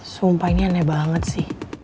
sumpah ini aneh banget sih